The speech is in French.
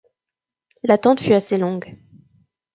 L’attente fut assez longue.